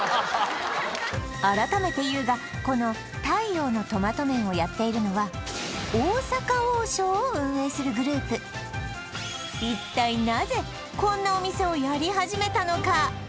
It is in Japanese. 改めて言うがこの太陽のトマト麺をやっているのは大阪王将を運営するグループ一体なぜこんなお店をやり始めたのか？